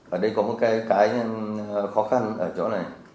ở đây có một cái khó khăn ở chỗ này